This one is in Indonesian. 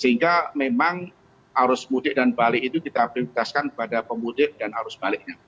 sehingga memang arus mudik dan balik itu kita prioritaskan pada pemudik dan arus baliknya